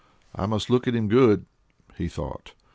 I must look at him good," he thought.